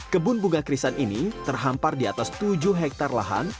kebun bunga krisan ini terhampar di atas tujuh hektare lahan